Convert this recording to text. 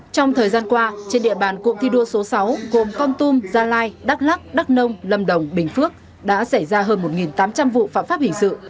trong thời gian qua trên địa bàn cụm thi đua số sáu gồm con tum gia lai đắk lắc đắk nông lâm đồng bình phước đã xảy ra hơn một tám trăm linh vụ phạm pháp hình sự